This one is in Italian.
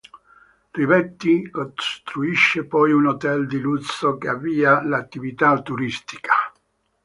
Rivetti costruisce poi un hotel di lusso che avvia l'attività turistica.